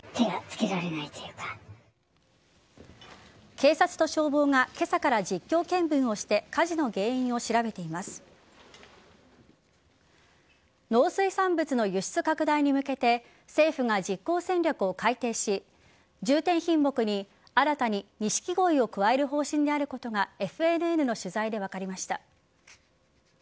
警察と消防が今朝から実況見分をして農水産物の輸出拡大に向けて政府が実行戦略を改定し重点品目に新たにニシキゴイを加える方針であることがＦＮＮの取材で分かりました。